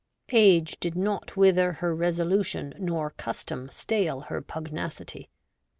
Age did not wither her resolution nor custom stale her pugnacity.